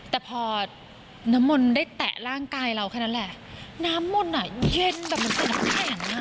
แต่พอน้ำมนต์ได้แตะร่างกายเราแค่นั้นแหละน้ำมนต์อ่ะเย็นแบบมันเป็นน้ำแข็งอ่ะ